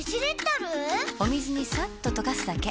お水にさっと溶かすだけ。